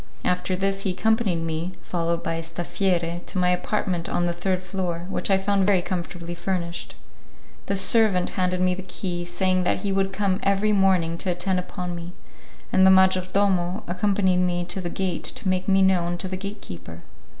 After this he accompanied me, followed by a 'staffiere' to my apartment on the third floor, which I found very comfortably furnished. The servant handed me the key, saying that he would come every morning to attend upon me, and the major domo accompanied me to the gate to make me known to the gate keeper.